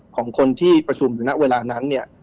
ของคนที่ประชุมอยู่ณเวลานั้นเนี่ย